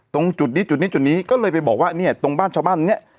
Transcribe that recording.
ตรงจุดนี้จุดนี้จุดนี้ก็เลยไปบอกว่าเนี่ยตรงบ้านชาวบ้านเนี่ย